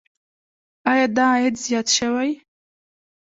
آیا دا عاید زیات شوی؟